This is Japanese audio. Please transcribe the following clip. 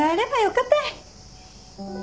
かたい。